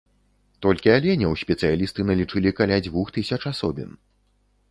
Толькі аленяў спецыялісты налічылі каля дзвюх тысяч асобін.